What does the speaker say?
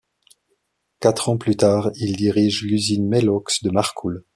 Quatre ans plus tard, il dirige l'usine Melox de Marcoule.